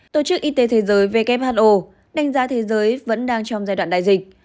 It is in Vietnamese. tổ chức y tế thế giới who đánh giá thế giới vẫn đang trong giai đoạn đại dịch